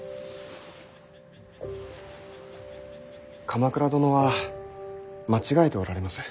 鎌倉殿は間違えておられます。